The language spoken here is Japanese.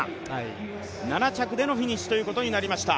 ７着でのフィニッシュということになりました。